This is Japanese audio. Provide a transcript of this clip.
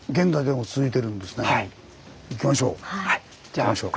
行きましょう。